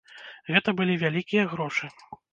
Гэта былі вялікія грошы.